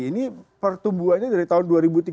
ini pertumbuhannya dari tahun dua ribu tiga belas